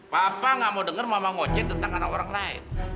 papa gak mau denger mama ngoce tentang anak orang lain